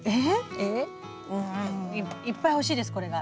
うんいっぱい欲しいですこれが。